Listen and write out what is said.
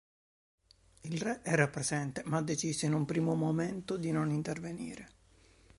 Il Re era presente, ma decise in un primo momento di non intervenire.